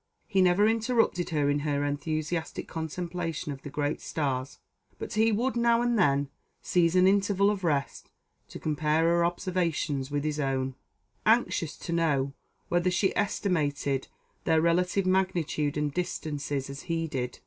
He never interrupted her in her enthusiastic contemplation of the great stars, but he would now and then seize an interval of rest to compare her observations with his own; anxious to know whether she estimated their relative magnitude and distances as he did.